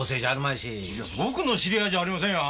いや僕の知り合いじゃありませんよ